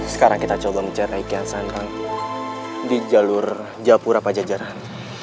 sekarang kita coba mencari ikan sandrang di jalur japura pajajaran